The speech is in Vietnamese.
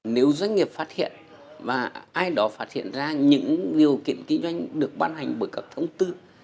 nếu doanh nghiệp phát hiện và ai đó phát hiện ra những điều kiện kinh doanh được bán hành bởi các thông tư